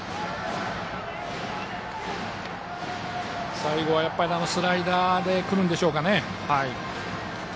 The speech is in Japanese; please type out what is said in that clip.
最後はスライダーでくるんでしょうか。